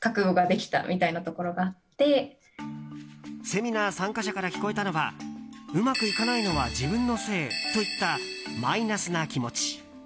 セミナー参加者から聞こえたのはうまくいかないのは自分のせいといったマイナスな気持ち。